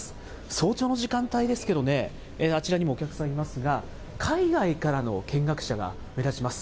早朝の時間帯ですけどね、あちらにもお客さんいますが、海外からの見学者が目立ちます。